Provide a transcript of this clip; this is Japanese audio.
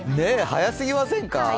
早すぎませんか？